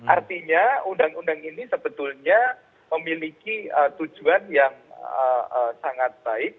artinya undang undang ini sebetulnya memiliki tujuan yang sangat baik